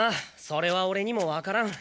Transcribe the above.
それはオレにもわからん。